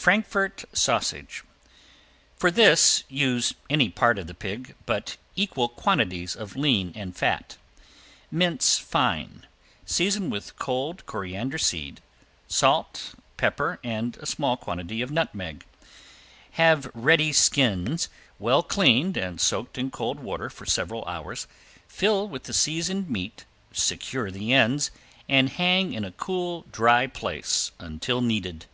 ~FRANKFORT SAUSAGE~ For this use any part of the pig, but equal quantities of lean and fat. Mince fine, season with ground coriander seed, salt, pepper, and a small quantity of nutmeg. Have ready skins, well cleaned and soaked in cold water for several hours, fill with the seasoned meat, secure the ends and hang in a cool, dry place until needed.